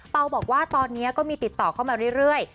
บอกว่าตอนนี้ก็มีติดต่อเข้ามาเรื่อย